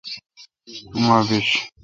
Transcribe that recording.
اوما بیش۔